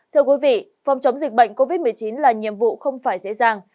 thưa quý vị phòng chống dịch bệnh covid một mươi chín là nhiệm vụ không phải dễ dàng